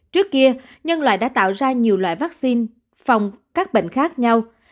trước kia nhân loại đã tạo ra nhiều loại vaccine phòng các bệnh khác nhau